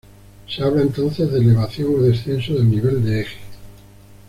Se habla entonces de elevación o descenso del nivel de eje.